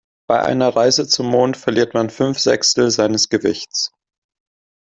Bei einer Reise zum Mond verliert man fünf Sechstel seines Gewichts.